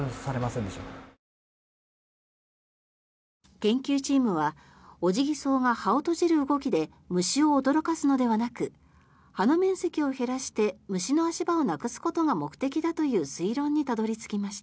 研究チームはオジギソウが葉を閉じる動きで虫を驚かすのではなく葉の面積を減らして虫の足場をなくすことが目的だという推論にたどり着きました。